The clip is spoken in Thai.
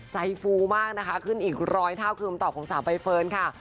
ฟูมากนะคะขึ้นอีกร้อยเท่าคือคำตอบของสาวใบเฟิร์นค่ะ